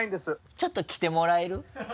ちょっと着てもらえる？